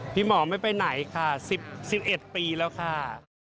พี่หมอไม่ไปไหนค่ะ๑๑ปีแล้วค่ะ